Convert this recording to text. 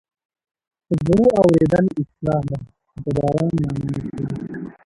په زړه اورېدل اصطلاح ده چې د باران مانا ورکوي